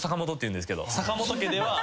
坂本家では。